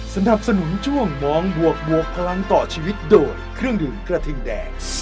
สนับสนุนช่วงมองบวกบวกพลังต่อชีวิตโดยเครื่องดื่มกระทิงแดง